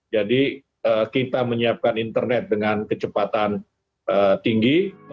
jadi kita menyiapkan internet dengan kecepatan tinggi